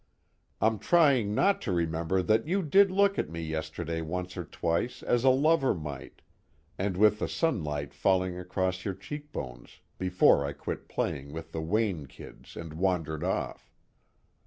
I'm trying not to remember that you did look at me yesterday once or twice as a lover might, and with the sunlight falling across your cheekbones, before I quit playing with the Wayne kids and wandered off.